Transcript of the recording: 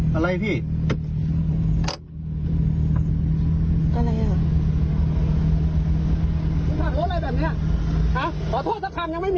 หานุ้งจะกลับรถละ